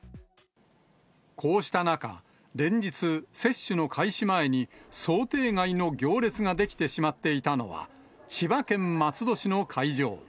こうした中、連日、接種の開始前に、想定外の行列が出来てしまっていたのは、千葉県松戸市の会場。